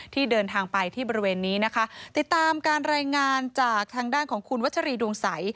ที่เดินทางไปที่บริเวณนี้นะคะติดตามการรายงานจากทางด้านของคุณวัชรีดวงใส